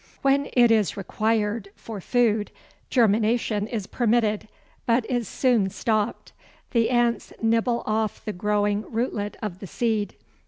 When it is required for food germination is permitted, but is soon stopped: the ants nibble off the growing rootlet of the seed.